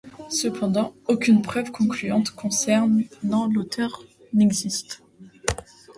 Cependant, aucune preuve concluante concernant l'auteur n'existe.